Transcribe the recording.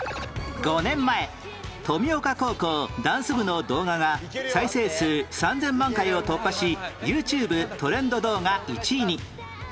５年前登美丘高校ダンス部の動画が再生数３０００万回を突破し ＹｏｕＴｕｂｅ トレンド動画１位に